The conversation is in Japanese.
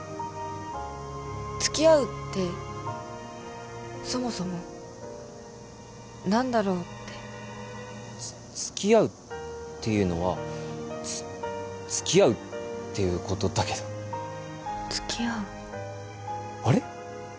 付き合うってそもそも何だろうって付き合うっていうのはつ付き合うっていうことだけど付き合うあれ？